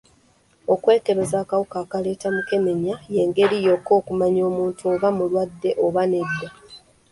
Okwekebeza akawuka akaleeta mukenenya y'engeri yokka okumanya omuntu oba mulwadde oba nedda.